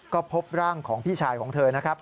ก็พบร่างของพี่ชายของเธอนะครับ